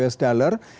ini adalah yang terakhir